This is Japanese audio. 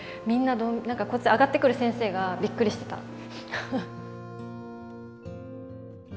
みんなこっち上がってくる先生がびっくりしてた。